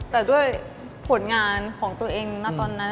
แต่ด้วยผลงานของตัวเองณตอนนั้น